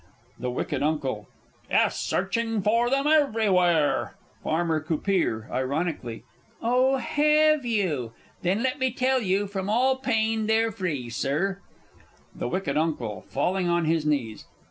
The W. U. Yes, searching for them everywhere Farmer C. (ironically). Oh, hev' you? Then let me tell you, from all pain they're free, Sir. The W. U. (falling on his knees).